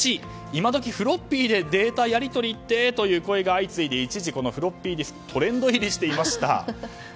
いまどきフロッピーでデータやり取りってという声が相次いで一時このフロッピーディスクトレンド入りしていました。